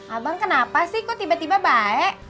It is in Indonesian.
abang kenapa sih kok tiba tiba baik